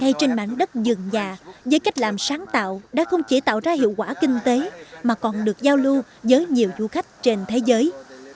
cây trên mảnh đất dường nhà với cách làm sáng tạo đã không chỉ tạo ra hiệu quả kinh tế mà còn được giao lưu với nhiều du khách trên thế giới